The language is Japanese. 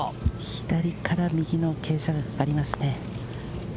左から右の傾斜がかかりますね。